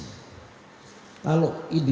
ini adalah saiznya